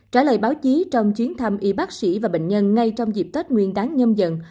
trả lời báo chí trong chuyến thăm y bác sĩ và bệnh nhân ngay trong dịp tết nguyên đáng nhâm dần